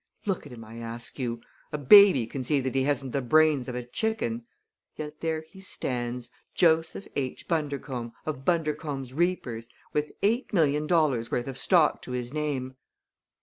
Look at him, I ask you! A baby can see that he hasn't the brains of a chicken. Yet there he stands Joseph H. Bundercombe, of Bundercombe's Reapers, with eight million dollars' worth of stock to his name!"